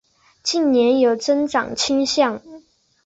近年有增长倾向。